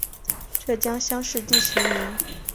浙江乡试第十名。